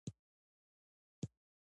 د متون لوستل او څېړل دوې موخي لري.